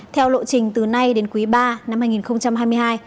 theo lộ trình từ nay đến quý ba năm hai nghìn hai mươi hai